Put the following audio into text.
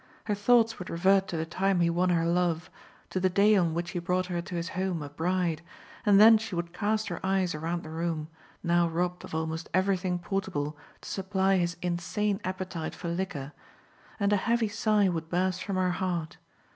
Her thoughts would revert to the time he won her love, to the day on which he brought her to his home a bride, and then she would cast her eyes around the room, now robbed of almost every thing portable to supply his insane appetite for liquor, and a heavy sigh would burst from her heart.